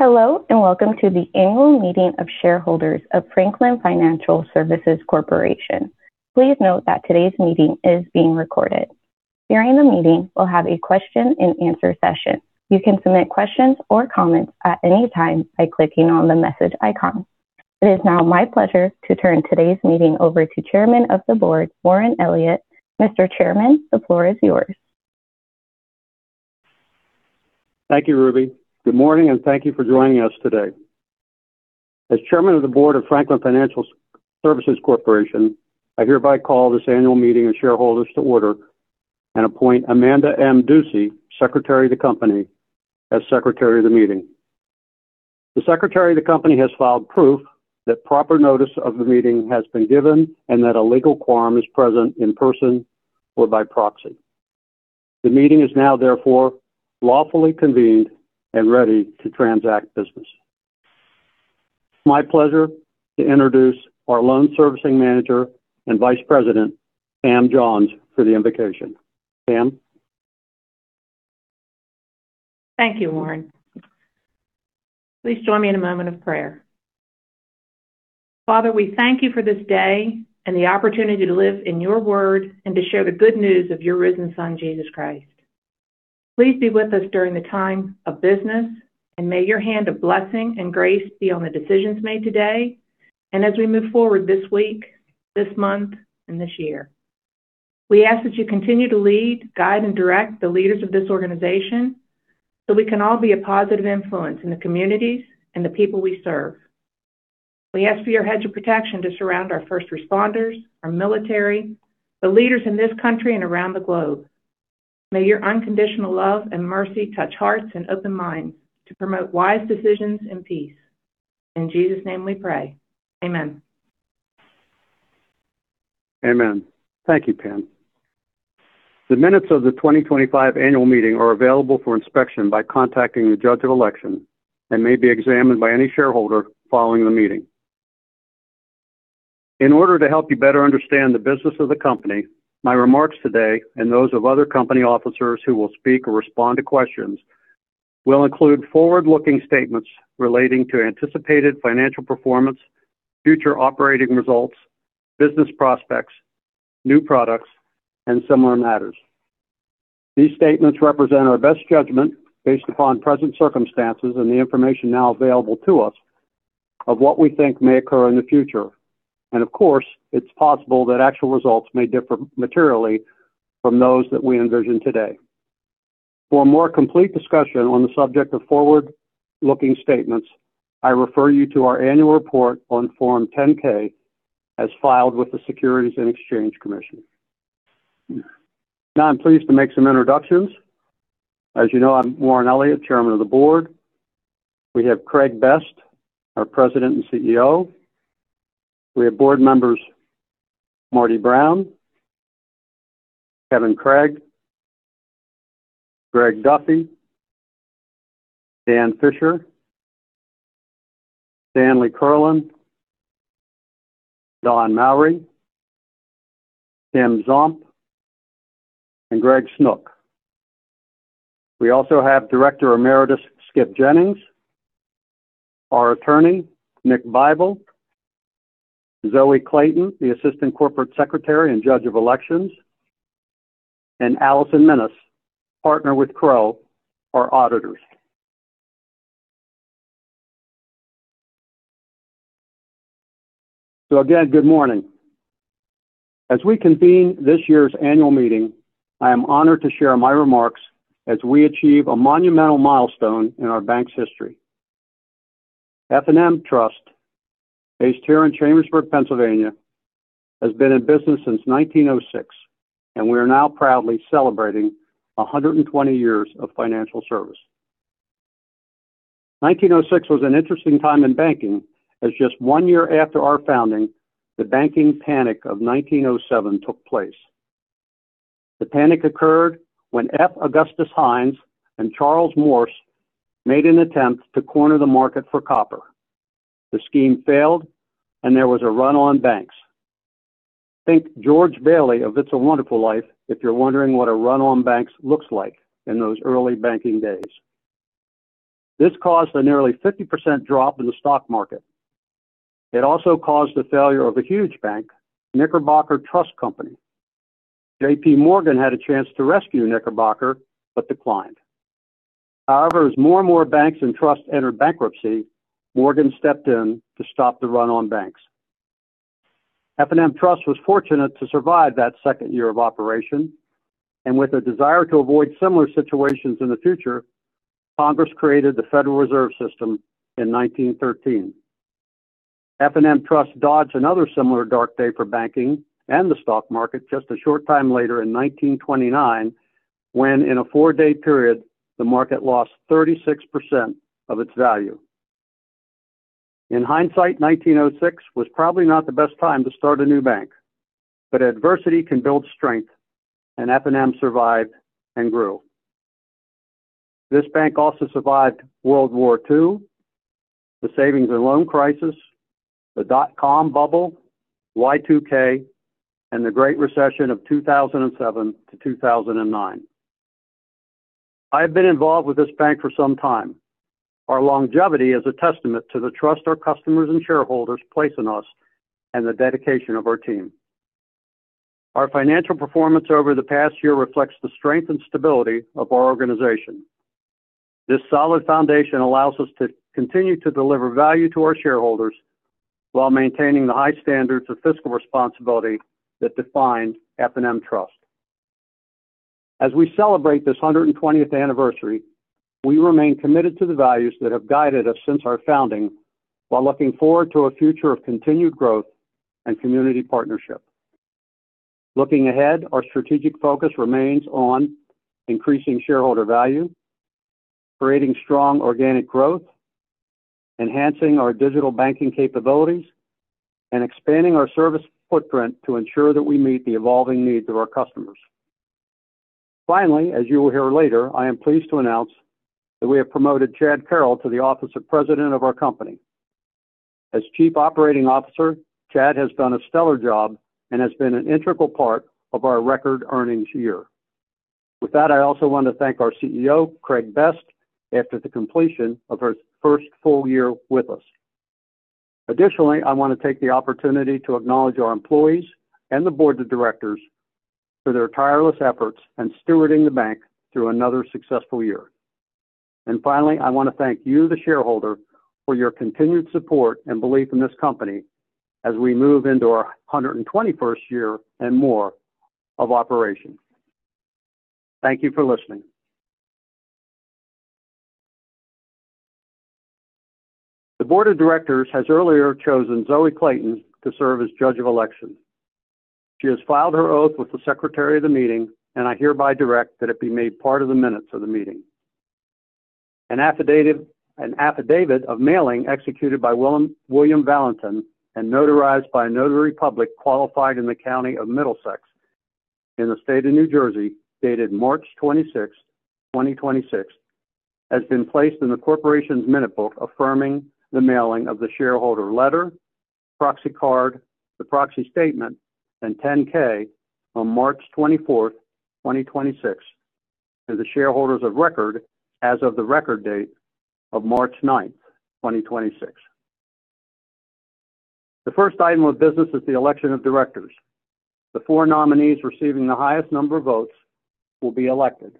Hello, welcome to the annual meeting of shareholders of Franklin Financial Services Corporation. Please note that today's meeting is being recorded. During the meeting, we'll have a question and answer session. You can submit questions or comments at any time by clicking on the message icon. It is now my pleasure to turn today's meeting over to Chairman of the Board, Warren Elliott. Mr. Chairman, the floor is yours. Thank you, Ruby. Good morning, thank you for joining us today. As Chairman of the Board of Franklin Financial Services Corporation, I hereby call this annual meeting of shareholders to order and appoint Amanda M. Ducey, Secretary of the company, as secretary of the meeting. The Secretary of the company has filed proof that proper notice of the meeting has been given and that a legal quorum is present in person or by proxy. The meeting is now therefore lawfully convened and ready to transact business. It's my pleasure to introduce our Loan Servicing Manager and Vice President, Pam Johns, for the invocation. Pam. Thank you, Warren. Please join me in a moment of prayer. Father, we thank you for this day and the opportunity to live in your Word and to share the good news of your risen Son, Jesus Christ. Please be with us during the time of business, and may your hand of blessing and grace be on the decisions made today, and as we move forward this week, this month, and this year. We ask that you continue to lead, guide, and direct the leaders of this organization so we can all be a positive influence in the communities and the people we serve. We ask for your hedge of protection to surround our first responders, our military, the leaders in this country and around the globe. May your unconditional love and mercy touch hearts and open minds to promote wise decisions and peace. In Jesus' name we pray, amen. Amen. Thank you, Pam. The minutes of the 2025 annual meeting are available for inspection by contacting the Judge of Election and may be examined by any shareholder following the meeting. In order to help you better understand the business of the company, my remarks today, and those of other company officers who will speak or respond to questions, will include forward-looking statements relating to anticipated financial performance, future operating results, business prospects, new products, and similar matters. These statements represent our best judgment based upon present circumstances and the information now available to us of what we think may occur in the future. Of course, it's possible that actual results may differ materially from those that we envision today. For a more complete discussion on the subject of forward-looking statements, I refer you to our annual report on Form 10-K as filed with the Securities and Exchange Commission. I'm pleased to make some introductions. As you know, I'm Warren Elliott, Chairman of the Board. We have Craig Best, our President and CEO. We have board members Marty Brown, Kevin Craig, Greg Duffy, Dan Fisher, Stanley J. Kerlin, Don Mowry, Tim Zomp, and Greg Snook. We also have Director Emeritus Skip Jennings, our attorney, Nick Bible, Zoe Clayton, the Assistant Corporate Secretary and judge of elections, and Allison Minnis, Partner with Crowe, our auditors. Again, good morning. As we convene this year's annual meeting, I am honored to share my remarks as we achieve a monumental milestone in our bank's history. F&M Trust, based here in Chambersburg, Pennsylvania, has been in business since 1906, and we are now proudly celebrating 120 years of financial service. 1906 was an interesting time in banking, as just one year after our founding, the banking panic of 1907 took place. The panic occurred when F. Augustus Heinze and Charles Morse made an attempt to corner the market for copper. The scheme failed, and there was a run on banks. Think George Bailey of It's a Wonderful Life if you're wondering what a run on banks looks like in those early banking days. This caused a nearly 50% drop in the stock market. It also caused the failure of a huge bank, Knickerbocker Trust Company. J. P. Morgan had a chance to rescue Knickerbocker, but declined. However, as more and more banks and trusts entered bankruptcy, Morgan stepped in to stop the run on banks. F&M Trust was fortunate to survive that second year of operation, and with a desire to avoid similar situations in the future, Congress created the Federal Reserve System in 1913. F&M Trust dodged another similar dark day for banking and the stock market just a short time later in 1929, when in a 4-day period, the market lost 36% of its value. In hindsight, 1906 was probably not the best time to start a new bank, but adversity can build strength, and F&M survived and grew. This bank also survived World War II, the savings and loan crisis, the dot-com bubble, Y2K, and the Great Recession of 2007-2009. I have been involved with this bank for some time. Our longevity is a testament to the trust our customers and shareholders place in us and the dedication of our team. Our financial performance over the past year reflects the strength and stability of our organization. This solid foundation allows us to continue to deliver value to our shareholders while maintaining the high standards of fiscal responsibility that define F&M Trust. As we celebrate this 120th anniversary, we remain committed to the values that have guided us since our founding while looking forward to a future of continued growth and community partnership. Looking ahead, our strategic focus remains on increasing shareholder value, creating strong organic growth, enhancing our digital banking capabilities, and expanding our service footprint to ensure that we meet the evolving needs of our customers. Finally, as you will hear later, I am pleased to announce that we have promoted Chad Carroll to the office of president of our company. As chief operating officer, Chad has done a stellar job and has been an integral part of our record earnings year. With that, I also want to thank our CEO, Craig Best, after the completion of her first full year with us. Additionally, I want to take the opportunity to acknowledge our employees and the board of directors for their tireless efforts in stewarding the bank through another successful year. Finally, I want to thank you, the shareholder, for your continued support and belief in this company as we move into our 121st year and more of operations. Thank you for listening. The board of directors has earlier chosen Zoe Clayton to serve as judge of elections. She has filed her oath with the secretary of the meeting, and I hereby direct that it be made part of the minutes of the meeting. An affidavit of mailing executed by William Valentin notarized by a notary public qualified in the County of Middlesex in the State of New Jersey, dated March 26, 2026, has been placed in the corporation's minute book, affirming the mailing of the shareholder letter, proxy card, the proxy statement, and Form 10-K on March 24, 2026 to the shareholders of record as of the record date of March 9, 2026. The first item of business is the election of directors. The four nominees receiving the highest number of votes will be elected.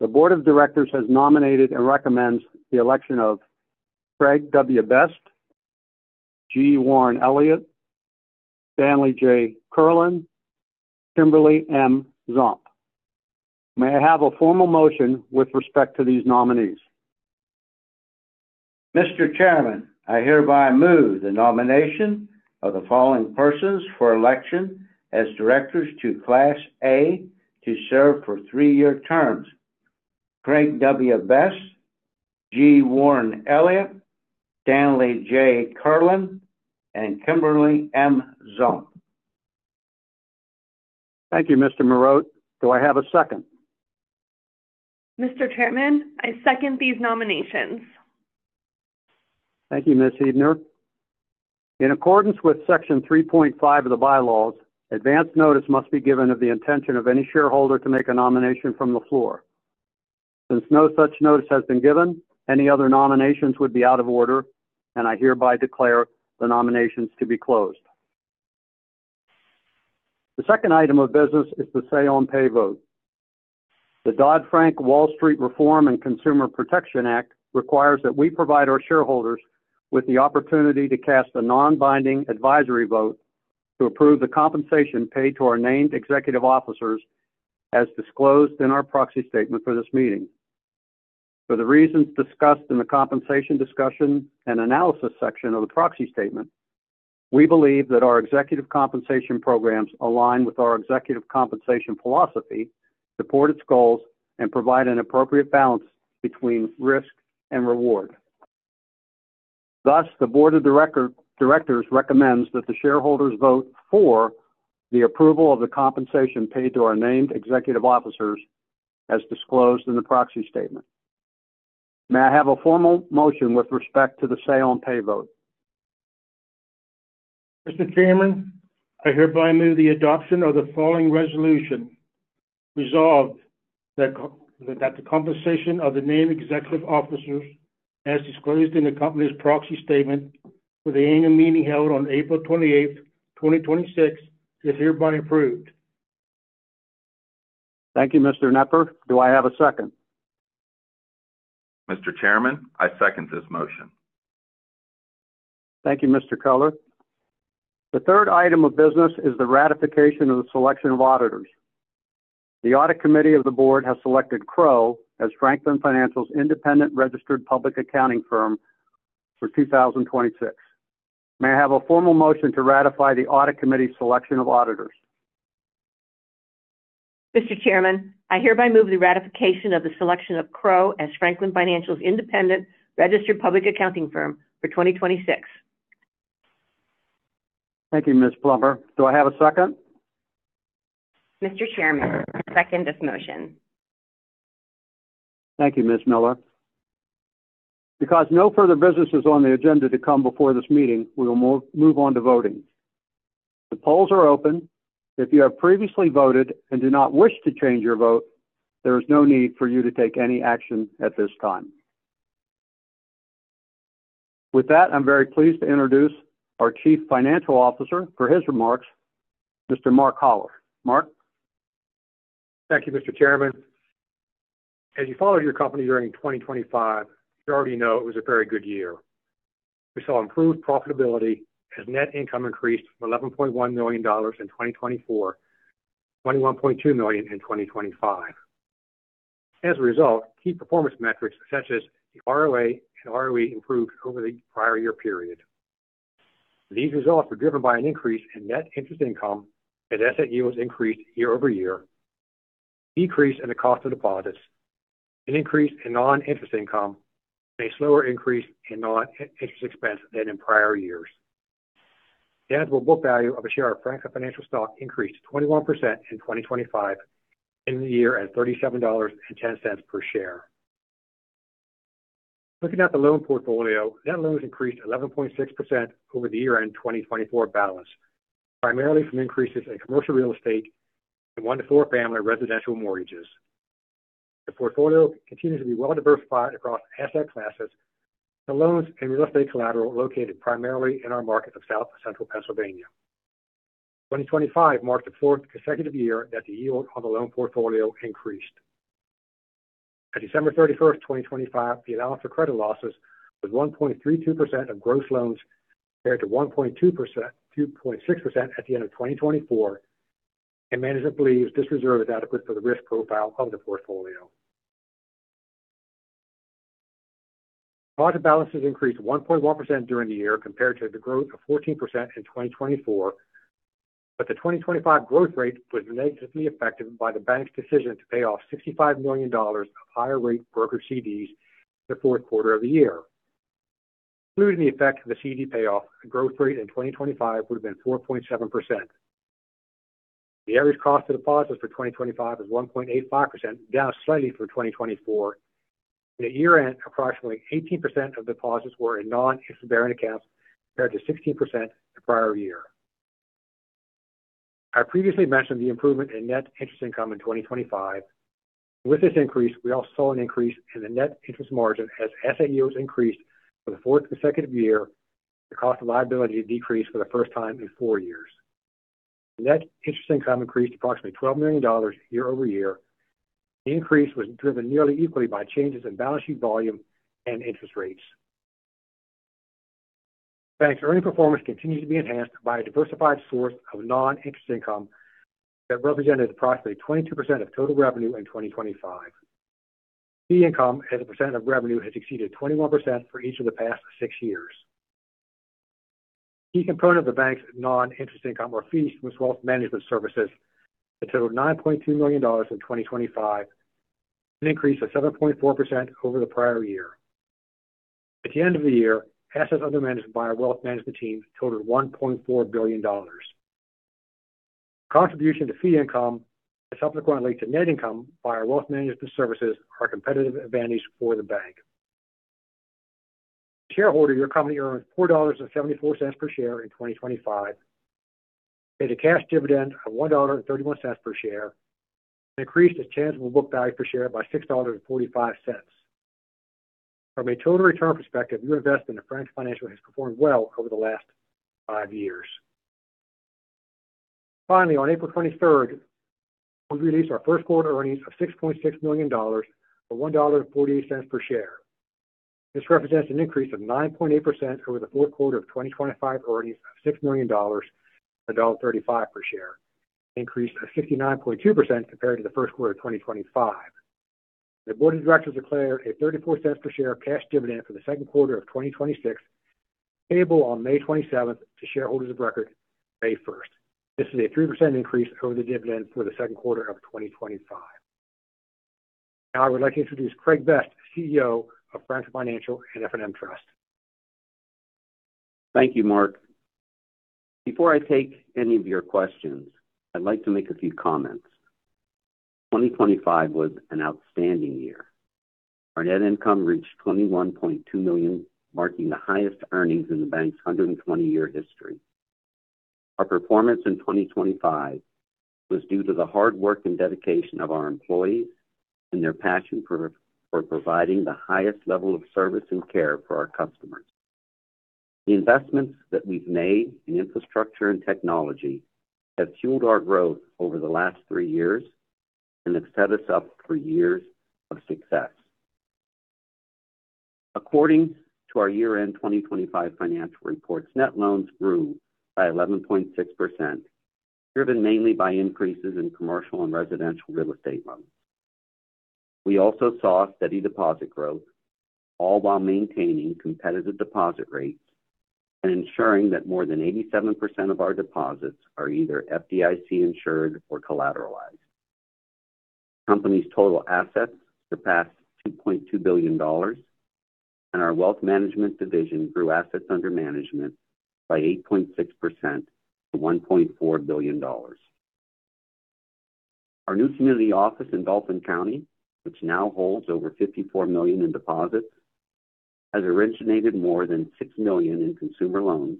The board of directors has nominated and recommends the election of Craig W. Best, G. Warren Elliott, Stanley J. Kerlin, Kimberly M. Zomp. May I have a formal motion with respect to these nominees? Mr. Chairman, I hereby move the nomination of the following persons for election as directors to Class A to serve for three-year terms: Craig W. Best, G. Warren Elliott, Stanley J. Kerlin, and Kimberly M. Zomp. Thank you, Mr. Merote. Do I have a second? Mr. Chairman, I second these nominations. Thank you, Ms. Jedner. In accordance with Section 3.5 of the bylaws, advance notice must be given of the intention of any shareholder to make a nomination from the floor. Since no such notice has been given, any other nominations would be out of order, and I hereby declare the nominations to be closed. The second item of business is the say-on-pay vote. The Dodd-Frank Wall Street Reform and Consumer Protection Act requires that we provide our shareholders with the opportunity to cast a non-binding advisory vote to approve the compensation paid to our named executive officers as disclosed in our proxy statement for this meeting. For the reasons discussed in the compensation discussion and analysis section of the proxy statement, we believe that our executive compensation programs align with our executive compensation philosophy, support its goals, and provide an appropriate balance between risk and reward. The board of directors recommends that the shareholders vote for the approval of the compensation paid to our named executive officers as disclosed in the proxy statement. May I have a formal motion with respect to the say-on-pay vote? Mr. Chairman, I hereby move the adoption of the following resolution. Resolved that the compensation of the named executive officers as disclosed in the company's proxy statement for the annual meeting held on April 28th, 2026 is hereby approved. Thank you, William Knepper. Do I have a second? Mr. Chairman, I second this motion. Thank you, [Mr. Culler]. The third item of business is the ratification of the selection of auditors. The audit committee of the board has selected Crowe as Franklin Financial's independent registered public accounting firm for 2026. May I have a formal motion to ratify the audit committee's selection of auditors? Mr. Chairman, I hereby move the ratification of the selection of Crowe as Franklin Financial's independent registered public accounting firm for 2026. Thank you, Tina Plummer. Do I have a second? Mr. Chairman, I second this motion. Thank you, Ms. Miller. Because no further business is on the agenda to come before this meeting, we will move on to voting. The polls are open. If you have previously voted and do not wish to change your vote, there is no need for you to take any action at this time. With that, I'm very pleased to introduce our Chief Financial Officer for his remarks, Mr. Mark R. Hollar. Mark. Thank you, Mr. Chairman. As you followed your company during 2025, you already know it was a very good year. We saw improved profitability as net income increased from $11.1 million in 2024, $21.2 million in 2025. As a result, key performance metrics such as the ROA and ROE improved over the prior year-over-year period. These results were driven by an increase in net interest income as asset yields increased year-over-year, decrease in the cost of deposits, an increase in non-interest income, and a slower increase in non-interest expense than in prior years. The tangible book value of a share of Franklin Financial stock increased 21% in 2025, ending the year at $37.10 per share. Looking at the loan portfolio, net loans increased 11.6% over the year-end 2024 balance, primarily from increases in commercial real estate and one to four-family residential mortgages. The portfolio continues to be well-diversified across asset classes. The loans and real estate collateral located primarily in our markets of South Central Pennsylvania. 2025 marked the fourth consecutive year that the yield on the loan portfolio increased. At December 31st, 2025, the allowance for credit losses was 1.32% of gross loans compared to 2.6% at the end of 2024, and management believes this reserve is adequate for the risk profile of the portfolio. Deposit balances increased 1.1% during the year compared to the growth of 14% in 2024, the 2025 growth rate was negatively affected by the bank's decision to pay off $65 million of higher rate brokered CDs the Q4 of the year. Excluding the effect of the CD payoff, the growth rate in 2025 would have been 4.7%. The average cost of deposits for 2025 was 1.85%, down slightly from 2024. At year-end, approximately 18% of deposits were in non-interest-bearing accounts, compared to 16% the prior year. I previously mentioned the improvement in net interest income in 2025. With this increase, we also saw an increase in the net interest margin as asset yields increased for the fourth consecutive year, the cost of liability decreased for the first time in four years. Net interest income increased approximately $12 million year-over-year. The increase was driven nearly equally by changes in balance sheet volume and interest rates. Bank's earning performance continues to be enhanced by a diversified source of non-interest income that represented approximately 22% of total revenue in 2025. Fee income as a percent of revenue has exceeded 21% for each of the past six years. Key component of the bank's non-interest income or fees was Wealth Management services that totaled $9.2 million in 2025, an increase of 7.4% over the prior year. At the end of the year, assets under management by our Wealth Management team totaled $1.4 billion. Contribution to fee income and subsequently to net income by our Wealth Management services are a competitive advantage for the bank. Shareholder, your company earned $4.74 per share in 2025, paid a cash dividend of $1.31 per share, increased its tangible book value per share by $6.45. From a total return perspective, your investment in Franklin Financial has performed well over the last five years. On April 23rd, we released our Q1 earnings of $6.6 million, or $1.48 per share. This represents an increase of 9.8% over the Q4 of 2025 earnings of $6 million, $1.35 per share. Increase of 69.2% compared to the Q1 of 2025. The board of directors declared a $0.34 per share cash dividend for the Q2 of 2026, payable on May 27th to shareholders of record May 1st. This is a 3% increase over the dividend for the Q2 of 2025. Now I would like to introduce Craig Best, CEO of Franklin Financial and F&M Trust. Thank you, Mark. Before I take any of your questions, I'd like to make a few comments. 2025 was an outstanding year. Our net income reached $21.2 million, marking the highest earnings in the bank's 120-year history. Our performance in 2025 was due to the hard work and dedication of our employees and their passion for providing the highest level of service and care for our customers. The investments that we've made in infrastructure and technology have fueled our growth over the last three years and have set us up for years of success. According to our year-end 2025 financial reports, net loans grew by 11.6%, driven mainly by increases in commercial and residential real estate loans. We also saw steady deposit growth, all while maintaining competitive deposit rates and ensuring that more than 87% of our deposits are either FDIC-insured or collateralized. Company's total assets surpassed $2.2 billion, and our Wealth Management division grew assets under management by 8.6% to $1.4 billion. Our new community office in Dauphin County, which now holds over $54 million in deposits, has originated more than $6 million in consumer loans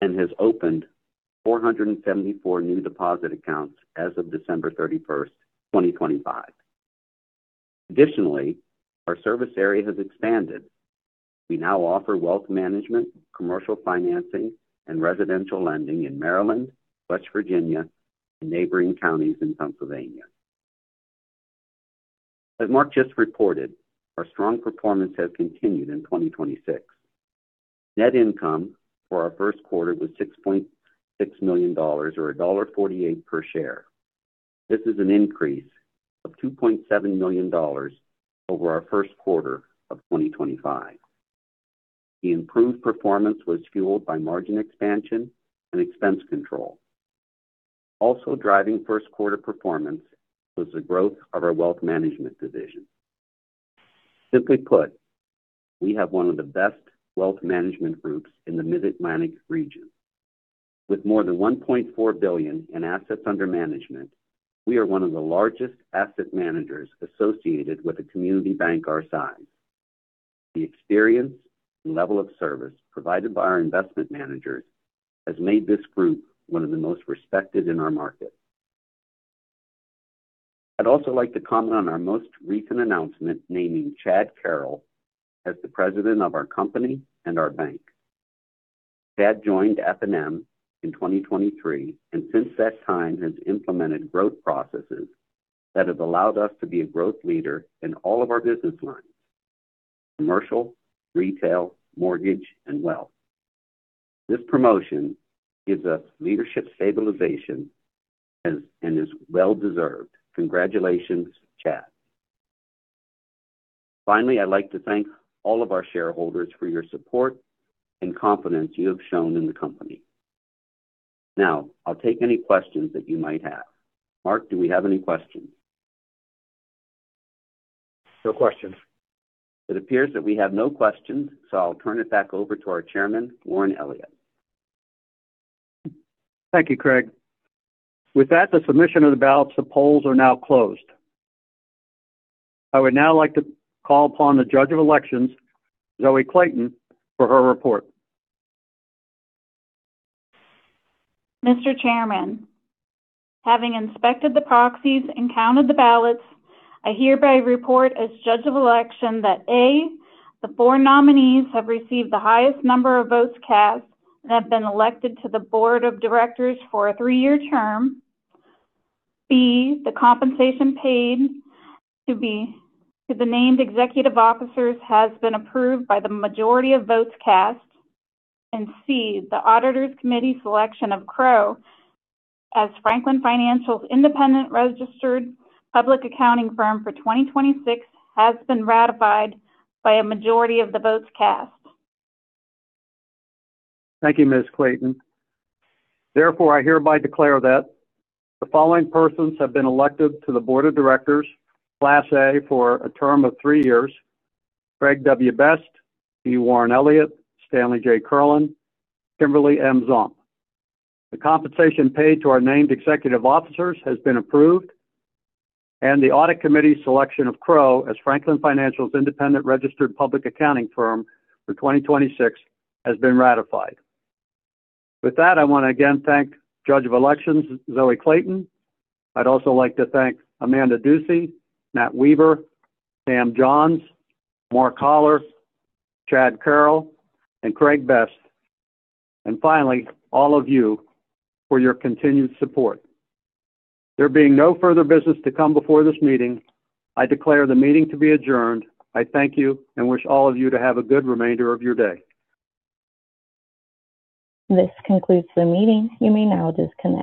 and has opened 474 new deposit accounts as of December 31, 2025. Additionally, our service area has expanded. We now offer Wealth Management, commercial financing, and residential lending in Maryland, West Virginia, and neighboring counties in Pennsylvania. As Mark just reported, our strong performance has continued in 2026. Net income for our Q1 was $6.6 million or $1.48 per share. This is an increase of $2.7 million over our Q1 of 2025. The improved performance was fueled by margin expansion and expense control. Also driving Q1 performance was the growth of our Wealth Management division. Simply put, we have one of the best Wealth Management groups in the Mid-Atlantic region. With more than $1.4 billion in assets under management, we are one of the largest asset managers associated with a community bank our size. The experience and level of service provided by our investment managers has made this group one of the most respected in our market. I'd also like to comment on our most recent announcement naming Chad Carroll as the President of our company and our bank. Chad joined F&M in 2023 and since that time has implemented growth processes that have allowed us to be a growth leader in all of our business lines, commercial, retail, mortgage, and wealth. This promotion gives us leadership stabilization and is well-deserved. Congratulations, Chad. Finally, I'd like to thank all of our shareholders for your support and confidence you have shown in the company. Now, I'll take any questions that you might have. Mark, do we have any questions? No questions. It appears that we have no questions, so I'll turn it back over to our Chairman, Warren Elliott. Thank you, Craig. With that, the submission of the ballots, the polls are now closed. I would now like to call upon the judge of elections, Zoe Clayton, for her report. Mr. Chairman, having inspected the proxies and counted the ballots, I hereby report as judge of election that, A, the four nominees have received the highest number of votes cast and have been elected to the board of directors for a three-year term. B, the compensation paid to the named executive officers has been approved by the majority of votes cast. C, the auditors committee selection of Crowe as Franklin Financial's independent registered public accounting firm for 2026 has been ratified by a majority of the votes cast. Thank you, Ms. Clayton. Therefore, I hereby declare that the following persons have been elected to the board of directors, class A, for a term of three years, Craig W. Best, G. Warren Elliott, Stanley J. Kerlin, Kimberly M. Zomp. The compensation paid to our named executive officers has been approved, and the audit committee selection of Crowe as Franklin Financial's independent registered public accounting firm for 2026 has been ratified. With that, I wanna again thank judge of elections, Zoe Clayton. I'd also like to thank Amanda M. Ducey, Matthew D. Weaver, Pam Johns, Mark R. Hollar, Chad Carroll, and Craig Best. Finally, all of you for your continued support. There being no further business to come before this meeting, I declare the meeting to be adjourned. I thank you and wish all of you to have a good remainder of your day. This concludes the meeting. You may now disconnect.